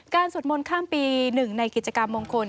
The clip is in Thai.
สวดมนต์ข้ามปีหนึ่งในกิจกรรมมงคล